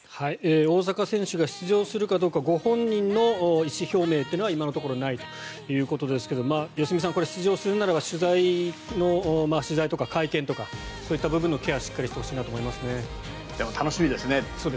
大坂選手が出場するかどうかご本人の意思表明というのは今のところないということですが良純さん、これは出場するならば取材とか会見とかそういった部分のケア